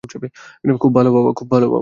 খুব ভালো, বাবা।